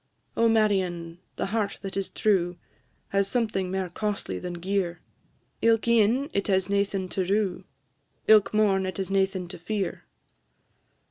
"O Marion! the heart that is true, Has something mair costly than gear! Ilk e'en it has naething to rue, Ilk morn it has naething to fear.